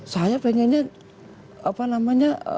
saya pengennya apa namanya